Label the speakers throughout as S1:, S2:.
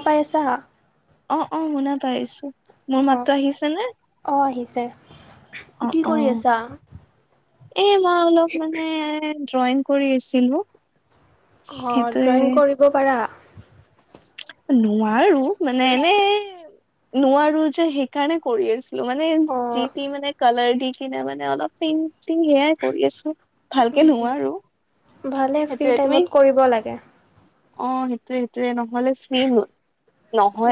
S1: আপাই আছা?
S2: অ', অ' শুনা পাই আছোঁ। মোৰ মাতটো
S1: অ'।
S2: আহিছেনে?
S1: অ' আহিছে। কি
S2: অ
S1: কৰি আছা?
S2: এ, মই অলপ মানে ড্ৰয়িং কৰি আছিলোঁ।
S1: অ' ড্ৰয়িং কৰিব পাৰা?
S2: নোৱাৰো মানে এনেই নোৱাৰো যে সেইকাৰণে কৰি আছিলোঁ মানে যি
S1: অ'
S2: টি মানে কালাৰ দি কিনে মানে অলপ পেইণ্টিং সেয়াই কৰি আছোঁ। ভালকে নোৱাৰোঁ
S1: ভালে ফ্ৰী
S2: সেইটোয়ে। তুমি?
S1: টাইমত কৰিব লাগে।
S2: অ' সেইটোয়ে সেইটোয়ে, নহ'লে ফেই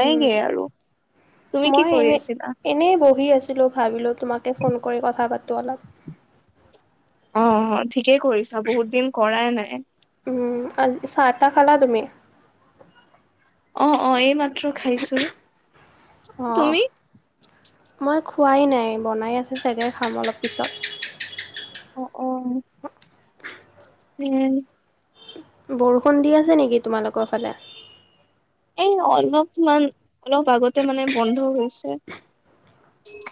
S1: উম।
S2: আৰু। তুমি কি
S1: মই
S2: কৰি
S1: এনে,
S2: আছিলা
S1: এনে বহি আছিলোঁ, ভাবিলোঁ তোমাকে ফোন কৰি কথা পাতো অলপ।
S2: অ', অ' ঠিকেই কৰিছা, বহুত দিন কৰাই নাই।
S1: উম, আ, চাহ টা খালা তুমি?
S2: অ', অ' এই মাত্ৰ খাইছোঁ।
S1: অ'।
S2: তুমি?
S1: মই খোৱাই নাই, বনাই আছে চাগে, খাম অলপ পিছত।
S2: অ', অ'। উম।
S1: বৰষুণ দি আছে নেকি তোমালোকৰ ফালে?
S2: এই অলপমান অলপ আগতে মানে বন্ধ হৈছে।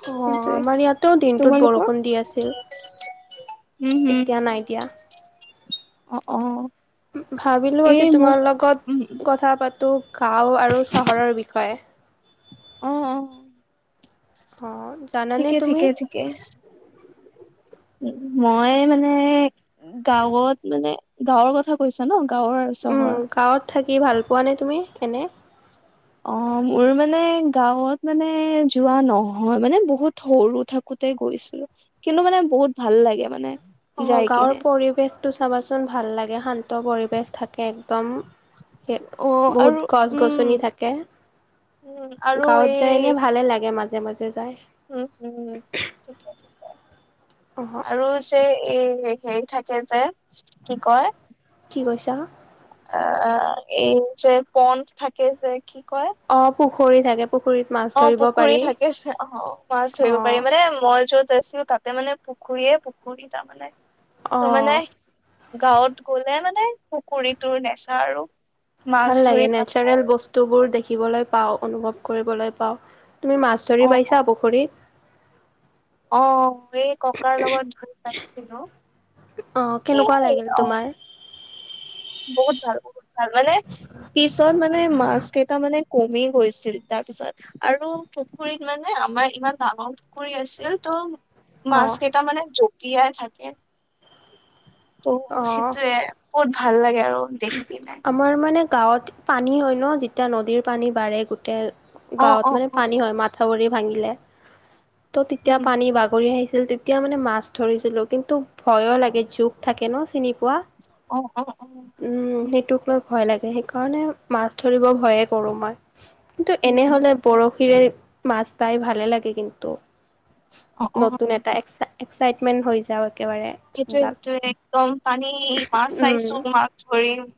S1: অ'
S2: সেইটোয়ে।
S1: আমাৰ ইয়াতো দিনটোত
S2: তোমালোকৰ?
S1: বৰষুণ দি আছিল।
S2: উম,
S1: এতিয়া নাই দিয়া।
S2: অ', অ'।
S1: ভাবিলোঁ
S2: এই
S1: আজি
S2: মোক
S1: তোমাৰ
S2: উম,
S1: লগত কথা পাতো গাওঁ আৰু চহৰৰ বিষয়ে।
S2: অ', অ'।
S1: হ
S2: ঠিকেই, ঠিকে, ঠিকে। উ, মই মানে গাঁৱত মানে গাঁৱৰ কথা কৈছা ন' গাঁৱৰ আৰু
S1: উম,
S2: চহৰ
S1: গাঁৱত থাকি ভাল পোৱানে তুমি এনে?
S2: অ' মোৰ মানে গাঁৱত মানে যোৱা নহয়, মানে বহুত সৰু থাকো তে গৈছিলোঁ কিন্তু মানে বহুত ভাল লাগে, মানে
S1: অ'
S2: যাই
S1: গাঁৱৰ
S2: কিনে।
S1: পৰিৱেশটো চাবাচোন ভাল লাগে, শান্ত পৰিৱেশ থাকে একদম। হে,
S2: অ', আৰু
S1: বহুত গছ
S2: উম,
S1: গছনি থাকে।
S2: উম, আৰু
S1: গাঁৱত যায়
S2: এই
S1: এনে ভালে লাগে, মাজে মাজে যায়।
S2: উম উম ঠিকে, ঠিকে।
S1: অহ
S2: আৰু যে এই হেৰি থাকে যে, কি কয়
S1: কি কৈছা?
S2: আ, এই যে পণ্ঠ থাকে যে কি কয়
S1: অ' পুখুৰী থাকে। পুখুৰীত মা
S2: অ' পুখুৰী থাকে, অ' মাছ ধৰিব পাৰি,
S1: অ'
S2: মানে মই য'ত আছোঁ তাত। তাতে মানে পুখুৰীয়ে পুখুৰী তাৰমানে, ত' মানে
S1: অ'
S2: গাঁৱত গ'লে মানে পুখুৰীটোৰ নেচা আৰু। মাছ
S1: ভাল
S2: ধৰি
S1: লাগে,
S2: পাওঁ
S1: নেচাৰেল
S2: আৰু।
S1: বস্তুবোৰ দেখিবলৈ পাওঁ, অনুভৱ কৰিবলৈ পাওঁ। তুমি মাছ
S2: অ
S1: ধৰি পাইছা পুখুৰীত?
S2: অ' এই ককাৰ লগত ধৰি পাইছিলোঁ।
S1: অ' কেনেকুৱা
S2: এ,
S1: লাগিল
S2: অ'।
S1: তোমাৰ?
S2: বহুত ভাল, বহুত ভাল, মানে পিছত মানে মাছকেইটা মানে কমি গৈছিল তাৰপিছত আৰু পুখুৰীত মানে আমাৰ ইমান ডাঙৰ পুখুৰী আছিল ত'
S1: অ'
S2: মাছকেইটা মানে জঁপিয়াই থাকে ত'
S1: অ'।
S2: সেইটোৱে। ভাল লাগে আৰু দেখি কিনে।
S1: আমাৰ মানে, গাঁৱত পানী হয় ন' যেতিয়া নদীৰ পানী বাঢ়ে, গোটেই।
S2: অ অ
S1: গাঁৱত মানে,
S2: অ
S1: পানী হয়। মাথাউৰি ভাঙিলে। ত' তেতিয়া,
S2: উম
S1: পানী বাগৰি আহিছিল। তে এতিয়া মানে, মাছ ধৰিছিলোঁ। কিন্তু, ভইয়ো লাগে, জোখ থাকে ন' চিনি পোৱা।
S2: অ' অ' অ'! উম।
S1: সেইটোক লৈ ভয় লাগে, সেইকাৰণে মাছ ধৰিব ভইয়ে কৰোঁ মই। কিন্তু,
S2: উম
S1: এনে
S2: উম
S1: হ'লে বৰশীৰে মাছ বাই ভালে লাগে, কিন্তু!
S2: অ অ
S1: নতুন এটা [unintelligible] এক্সাইটমেণ্ট হৈ যাওঁ, একেবাৰে। এইবিলাক
S2: সেইটোৱে-সেইটোৱে। একদম, পানী মাছ
S1: উম
S2: চাইছোঁ, মাছ ধৰিম।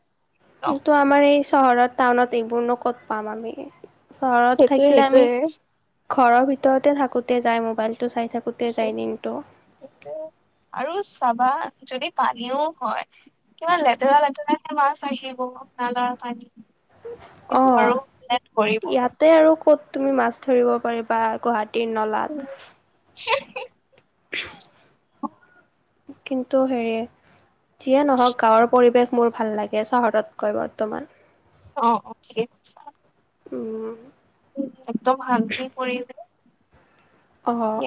S2: একদম
S1: কিন্তু, আমাৰ এই চহৰত, টাউনত, এইবোৰনো ক'ত পাম আমি। চহৰত
S2: সেইটোয়ে
S1: থাকিলে, আমি
S2: সেইটোয়ে
S1: ঘৰৰ ভিতৰতে, থাকোঁতে যাই, মোবাইলটো চাই থাকোঁতে যাই, দিনটো।
S2: আৰু চাবা, যদি পানীও হয় কিমান লেতেৰা, লেতেৰাকে মাছ আহিব, নালৰ পানী। সেইটো
S1: অ'!
S2: আৰু কোনে ধৰিব।
S1: ইয়াত ইয়াতে আৰু ক'ত, তুমি মাছ ধৰিব পাৰিবা, গুৱাহাটীৰ নলা?
S2: উম!
S1: [unintelligible]
S2: অ
S1: কিন্তু হেৰি, যিয়ে নহওঁক, গাঁৱৰ পৰিৱেশ মোৰ ভাল লাগে! চহৰতকৈ বৰ্তমান।
S2: অ' অ'! ঠিকে কৈছা।
S1: উম!
S2: একদম শান্তি পৰিবে
S1: অ'!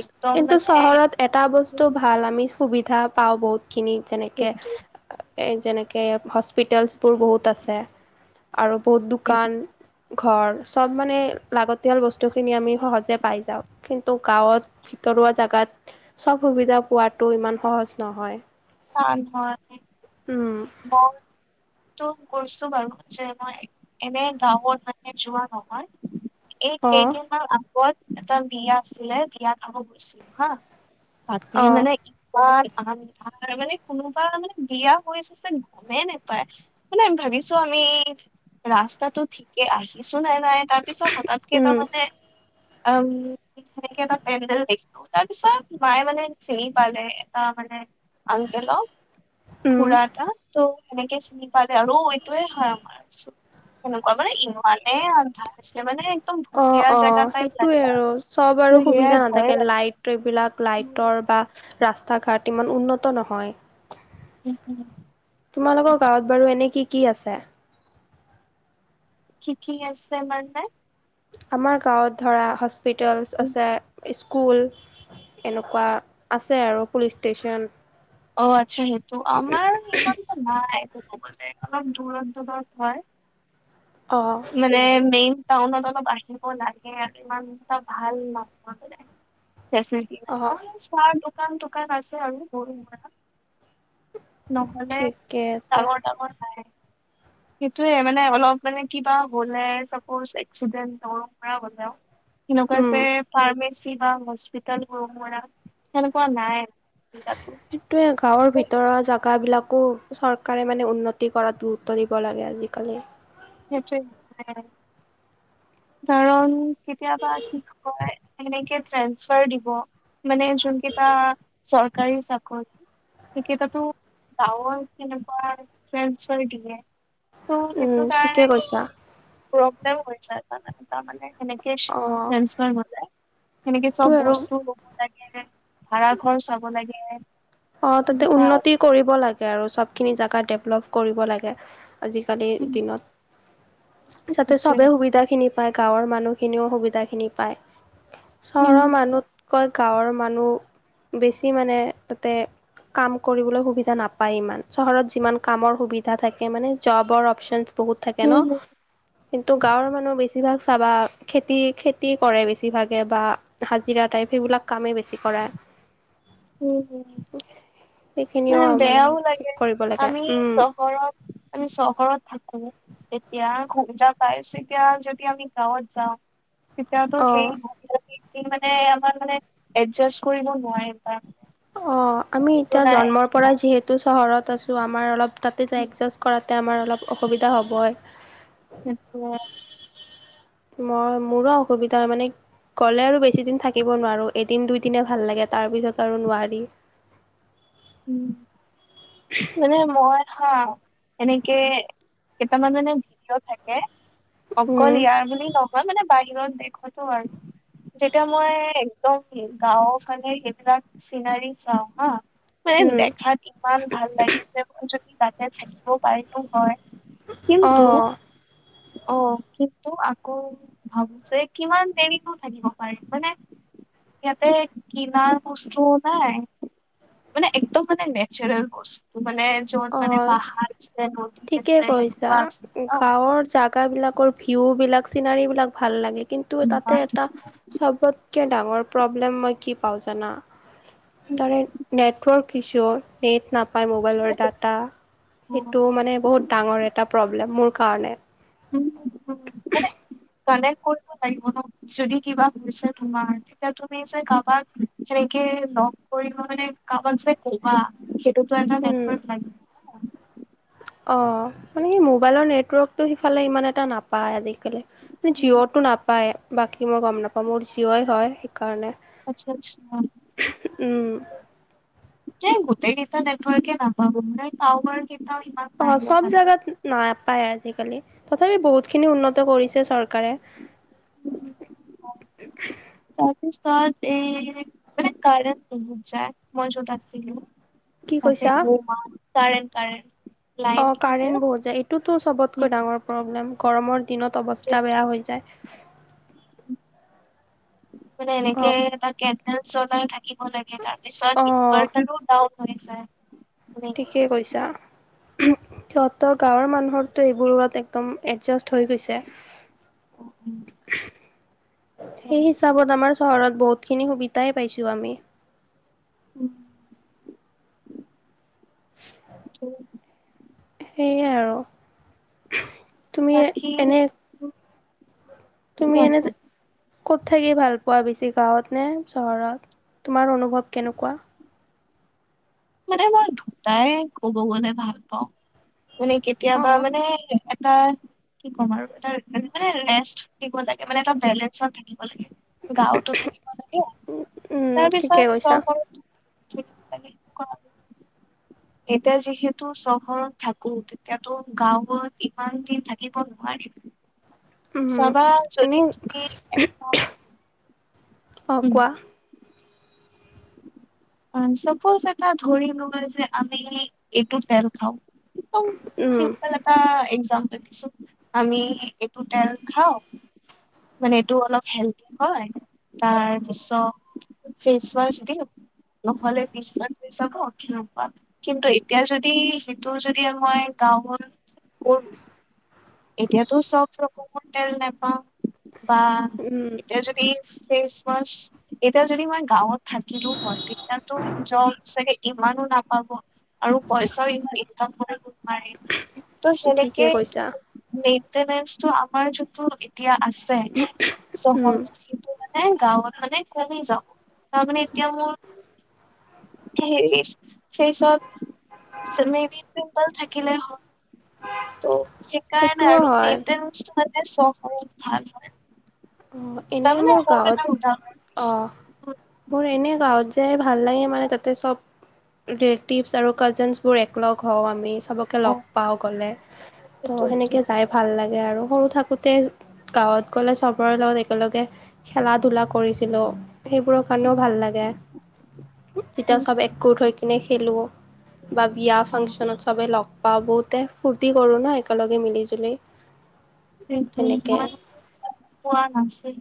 S2: একদম
S1: কিন্তু,
S2: মানে
S1: চহৰত এটা
S2: উম,
S1: বস্তু ভাল, আমি সুবিধা পাওঁ, বহুত খিনি। যেনেকে এ, যেনেকে, হস্পিতেলছবোৰ বহুত আছে আৰু বহুত দোকান। ঘৰ, চব মানে, লাগতিয়াল বস্তুখিনি, আমি সহজে পাই যাওঁ। কিন্তু, গাঁৱত ভিতৰুৱা জেগাত, চব সুবিধা পোৱাটো, ইমান সহজ নহয়।
S2: [unintelligible]
S1: উম!
S2: [unintelligible] ত' কৈছোঁ বাৰু! যে, মই এনে গাঁৱত মানে, যোৱা নহয়। এই,
S1: অ
S2: কেইদিনমান আগত, এটা বিয়া আছিলে, বিয়া খাব গৈছিলোঁ। হা!
S1: অ
S2: তাতে মানে, ইমান [unintelligible] মানে, কোনোবা মানে, বিয়া হৈছে। মানে, গমেই নাপায়। মানে, ভাবিছোঁ আমি! ৰাস্তাটো ঠিকে আহি আহিছোঁ নে নাই! তাৰ পিছত, হঠাৎ
S1: উম
S2: কেইটামানে, [unintelligible] সেনেকে, এটা পেণ্ডেল দেখিলোঁ। তাৰ পিছত, মায়ে মানে, চিনি পালে। এটা মানে আংকুলক,
S1: উম
S2: খুড়া এটা। ত' সেনেকে চিনি পালে। আৰু এইটোৱে হয়, আমাৰ। [unintelligible] এনেকুৱা মানে, ইমানে আন্ধাৰ আছিলে, মানে একদম ভুটীয়া
S1: অ'
S2: জেগা
S1: অ'!
S2: টাইপ
S1: সেইটোযৱে
S2: লাগে ত'
S1: আৰু চব আৰু
S2: সেয়াই
S1: সুবিধা
S2: ভয়ে
S1: নাথাকে,
S2: লাগে
S1: লাইট [unintelligible] বিলাক,
S2: উম,
S1: লাইটৰ বা ৰাস্তা-ঘাট, ইমান উন্নত নহয়।
S2: [inaudible]
S1: তোমালোকৰ গাঁৱত বাৰু এনে কি কি আছে?
S2: কি কি আছে মানে?
S1: আমাৰ গাঁৱত ধৰা, হস্পিতেলছ
S2: উম,
S1: আছে। [unintelligible] স্কুল, এনেকুৱা আছে আৰু পুলিচ ষ্টেচন।
S2: অ' আচ্ছা! সেইটো। আমাৰ ইমানতো নাই, অলপ দূৰত-দূৰত হয়।
S1: অ'!
S2: মানে, মেইন টাউনত অলপ আহিব লাগে আৰু, ইমান এটা ভাল নহয়, মানে। ফেচিলিটি নাই, অ', চাহ দোকান তোকান আছে আৰু সৰু-সুৰা। নহলে
S1: ঠিকে আছে
S2: ডাঙৰ ডাঙৰ নাই, সেইটোৱে মানে অলপ মানে কিবা হ'লে চাপজ এক্সিডেন্ট সৰু-সুৰা হ'লেও
S1: উম।
S2: সেনেকুৱাচে ফাৰ্মাচী কিবা হস্পিতাল সৰু-সুৰা, সেনেকুৱা নাই। সুবিধাটো
S1: সেইটোয়ে গাঁৱৰ
S2: সেইটোৱে
S1: ভিতৰৰ জাগা বিলাকো চৰকাৰে মানে উন্নতি কৰাত গুৰুত্ব দিব লাগে আজিকালি।
S2: সেইটোৱে, কাৰণ কেতিয়াবা কি হয় সেনেকে ট্ৰেন্সফাৰ দিব, মানে জোনকেইটা চৰকাৰী চাকৰ সেকেইটাতো গাঁৱৰ তেনেকুৱা ট্ৰেন্সফাৰ দিয়ে, ত'
S1: উম,
S2: সেইটোত
S1: ঠিকে কৈছা।
S2: প্ৰব্লেম হৈছে [unintelligible] তাৰমানে। সেনেকেচ
S1: অ',
S2: ট্ৰেন্সফাৰ ললে, সেনেকে
S1: তো
S2: চব
S1: আৰু
S2: বস্তু লব লাগে ভাড়া ঘৰ চাব লাগে।
S1: অ', তাতে
S2: সেনেকুৱা
S1: উন্নতি
S2: আৰু
S1: কৰিব লাগে আৰু চব খিনি জাগা ডেভলপ কৰিব লাগে। আজিকালি
S2: উম,
S1: দিনত, যাতে চবে
S2: সেইটোৱে।
S1: সুবিধাখিনি পায়, গাঁৱৰ মানুহখিনিও সুবিধা খিনি পায়,
S2: উম,
S1: চহৰৰ
S2: উম,
S1: মানু কয়, গাঁৱৰ মানুহ বেছি মানে তাতে কাম কৰিবলৈ সুবিধা নাপায় ইমান, চহৰত যিমান কামৰ সুবিধা থাকে মানে জবৰ অপচন বহুত থাকে ন,
S2: উম,
S1: কিন্তু
S2: উম,
S1: গাঁৱৰ মানুহ বেছিভাগ চাবা খেতি, খেতি কৰে বেছিভাগে বা হাজিৰা টাইপ সেইবিলাক কামেই বেছি কৰে।
S2: উ, উ।
S1: সেইখিনিও
S2: মানে বেয়াও
S1: ঠিক
S2: লাগে,
S1: কৰিব লাগে
S2: আমি
S1: উম
S2: চহৰত, আমি চহৰত থাকো। তেতিয়া খোজা পাইছেতিয়া যদি আমি গাঁৱত যাওঁ। তেতিয়াতো
S1: অ
S2: সেই [unintelligible] মানে আমাৰ মানে এডজাষ্ট কৰিব নোৱাৰিম।
S1: অ', আমি
S2: সেইটো
S1: এতিয়া
S2: নাই
S1: জন্মৰ
S2: সেইটো
S1: পৰা
S2: নাই
S1: যিহেতু চহৰত আছোঁ, আমাৰ অলপ তাতে যাই এডজাষ্ট কৰাতে আমাৰ অলপ অসুবিধা হ'বই।
S2: [unintelligible]
S1: মই, মোৰো অসুবিধা হয় মানে গ'লে আৰু বেছিদিন থাকিব নোৱাৰোঁ, এদিন দুইদিনে ভাল লাগে তাৰপিছত আৰু নোৱাৰি।
S2: উ, মানে মই হা, এনেকে কেইটামান মানে ভিডিঅ' থাকে। অকল
S1: উম,
S2: ইয়াৰ বুলি নহয় মানে বাহিৰত দেশতো আৰু যেতিয়া মই একদম গাঁও ফালে সেইবিলাক চিনাৰী চাওঁ হাঁ। মানে
S1: উম,
S2: দেখাত ইমান ভাল লাগিছে যদি তাতে থাকিব পাৰিলো হয়। কিন্তু
S1: অ',
S2: অ', কিন্তু আকৌ ভাবোঁ যে কিমান দেৰিনু থাকিব পাৰিম মানে ইয়াতে কিনাৰ পস্তু নাই মানে একদম মানে নেচাৰেল বস্তু মানে যত মানে
S1: অ'।
S2: পাহাৰ আছে নদী আছে
S1: ঠিকেই
S2: সেনেকুৱা আছিল ন'
S1: বিলাকৰ ভিউ বিলাক চিনাৰী বিলাক ভাল লাগে কিন্তু তাতে
S2: ইমান
S1: এটা
S2: ধুনীয়া
S1: চবত কে ডাঙৰ প্ৰব্লেম মই কি পাওঁ জানা, তাৰে নেটৱৰ্ক ইছ্যু নেট নাপায় মোবাইলৰ ডাটা
S2: উম,
S1: সেইটো মানে বহুত ডাঙৰ এটা প্ৰব্লেম মোৰ কাৰণে
S2: উম, মানে কনেক্ট কৰিব লাগিব ন' যদি কিবা হৈছে তোমাৰ তেতিয়া তুমি যে কাৰোবাক সেনেকে লগ কৰিব মানে কাৰোবাক যে কবা সেইটোতো এটা
S1: উম।
S2: নেটৱৰ্ক লাগিব
S1: অ', মানে সে
S2: সেইটোৱে।
S1: মোবাইলৰ নেটৱৰ্কটো সিফালে ইমান এটা নাপায় আজিকালি
S2: উম,
S1: জিঅ'টো নাপায় বাকী মই গম নাপাওঁ মোৰ জিঅ'ই হয় সেইকাৰণে
S2: আচ্ছা আচ্ছা।
S1: উম।
S2: যে গোটেই কেইটা নেটৱৰ্কে নাপাব ন' টাৱাৰ কেইটা ইমান
S1: অ', সব জাগাত নাপায় আজিকালি, তথাপি বহুত খিনি উন্নত কৰিছে চৰকাৰে। স [unintelligible]
S2: তাৰপিছত এই মানে কাৰণ প য মই য দছিলিিল [unintelligible]
S1: কি
S2: তাকে
S1: কৈছা?
S2: টো কাৰেণ্ট কাৰেণ্ট
S1: অ',
S2: লাইনটো যে উম,
S1: কাৰেণ্ট বহুত যায়, এইটোতো সবতকৈ ডাঙৰ প্ৰব্লেম গৰমৰ দিনত, অৱস্থা
S2: সেইটোৱে
S1: বেয়া
S2: সেইটোৱে।
S1: হৈ যায়।
S2: মানে এনেকে
S1: অ',
S2: এটা কেণ্ডেল জলাই থাকিব লাগে, তাৰপিছত
S1: অ',
S2: ইনভাৰটাৰো হয়, ছাৰ।
S1: ঠিকেই কৈছা, সিহঁতৰ গাঁৱৰ মানুহকটো এইবোৰত একদম এডজাষ্ট হৈ গৈছে,
S2: উম, তো
S1: সেই চাপত আমাৰ চহৰত বহুতখিনি সুবিধাই পাইছোঁ আমি।
S2: উল [unintelligible]
S1: সেইয়াই আৰু তুমি
S2: বাকী
S1: এনে
S2: উম,
S1: তুমি
S2: কোৱা
S1: এনে
S2: কোৱা
S1: যে ক'ত থাকি ভাল পোৱা বেছি গাঁৱত নে চহৰত, তোমাৰ অনুভৱ কেনেকুৱা?
S2: মানে মই দুটাই ক'ব গ'লে ভাল পাওঁ, মানে
S1: অ
S2: কেতিয়াবা মানে এটা কি ক'ম আৰু এটা মানে ৰেষ্ট দিব লাগে, মানে এটা বেলেঞ্চত থাকিব লাগে। গাঁৱতো থাকিব লাগে,
S1: উম ঠিকে
S2: তাৰপিছত
S1: কৈছা
S2: চহৰতো থাকিব লাগে। ক [unintelligible] এতিয়া যিহেতু চহৰত থাকো এতিয়াতো গাঁৱবোৰত ইমান দিন থাকিব নোৱাৰিম।
S1: উম।
S2: চাবা
S1: এনে
S2: যদি তুমি এটা
S1: অ', কোৱা।
S2: চাপজ এটা ধৰি লোৱা যে আমি এইটো তেল খাওঁ। একদম
S1: উম
S2: চিম্পল এটা এক্সাম্পল দিছো, আমি এইটো তেল খাওঁ। মানে এইটো অলপ হেলডি হয়, তাৰপিছত ফেচৱাছ দি নহ'লে বি কৃষক অক্ষি ন পাত [unintelligible] কিন্তু এতিয়া যদি সেইটো যদি মই গাওঁবোৰত কৰো এতিয়াতো চব ৰকমৰ তেল নাপাম। বা
S1: উম
S2: এতিয়া যদি ফেচৱাছ, এতিয়া যদি মই গাঁৱত থাকিলো হয় তেতিয়াতো য চাগে ইমানো নাপাব আৰু পইচাও ইমান ইনকাম কৰিব নোৱাৰি। ত'
S1: ঠিকে
S2: সেনেকে,
S1: কৈছা।
S2: মেইনটেনেনচটো আমাৰ যোনতো এতিয়া আছে
S1: উম
S2: চহৰত নাই গাঁৱত মানে কমেই যাওঁ, তাৰমানে এতিয়া মোৰ ফেচত মে বি পিম্পল থাকিলে হয়। ত' সেইকাৰণে
S1: সেইটোও
S2: আৰু
S1: হয়
S2: মেইনটেনেনচটো চোৱা মানে ভাল হয়।
S1: এনেই
S2: তাৰমানে
S1: মোৰ
S2: সৰু এটা
S1: গাঁৱত
S2: উদাহৰণ দিছো
S1: অ', মোৰ এনেই গাঁৱত যায় ভাল লাগে, মানে তাতে সব ৰিলেটিভছ আৰু কাজিনছ বোৰ একলগ হওঁ আমি, সব
S2: অ
S1: লগ পাওঁ গ'লে ত' সেনেকে যাই ভাল লাগে আৰু সৰু থাকোতে গাঁৱত গ'লে সবৰে লগত একেলগে খেলা ধূলা কৰিছিলো। সেইবোৰৰ কাৰণেও ভাল লাগে, যেতিয়া সব
S2: সেইটো
S1: একগোট হৈ কিনে খেলো। বা বিয়া ফাংচনত সবে লগ পাওঁ, বহুতে ফূৰ্তি কৰো ন' একেলগে মিলি জুলি।
S2: সেইটো
S1: সেনেকে
S2: মই পোৱা নাছিল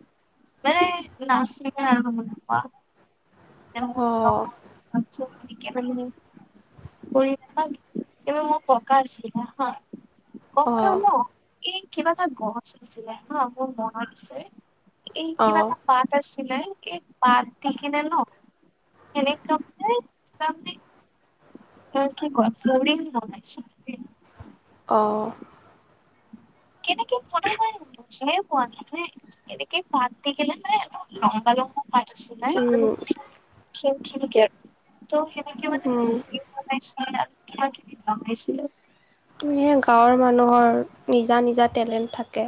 S2: মানে নাছিল আৰু [unintelligible]
S1: অ
S2: পৰিক্ষা মোৰ ককাৰ আছিলে হয়
S1: অ
S2: ককা ন? এই কিবা এটা গছ আছিলে হা মোৰ মনত আছে এই
S1: অ
S2: কিবা এটা পাত আছিলে এই পাত থাকিলে ন [unintelligible] [unintelligible]
S1: অ।
S2: [unintelligible] বুজিয়ে পোৱা নাই মানে এনেকে পাত দেখিলে মানে লম্বা লম্বা পাত আছিলে আৰু
S1: উম
S2: ক্ষীণ ক্ষীণকে আৰু ত' সেনেকে মানে
S1: উম
S2: বনাইছিলে কিবা কিবি বনাইছিলো।
S1: এ গাঁৱৰ মানুহৰ নিজা নিজা টেলেণ্ট থাকে।